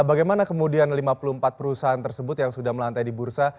bagaimana kemudian lima puluh empat perusahaan tersebut yang sudah melantai di bursa